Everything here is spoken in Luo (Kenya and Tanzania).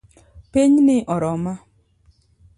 Pinyni oroma